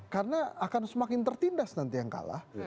karena akan semakin tertindas nanti yang kalah